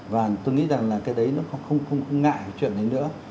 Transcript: và tôi nghĩ rằng là cái đấy nó không ngại cái chuyện đấy nữa